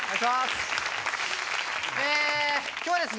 今日はですね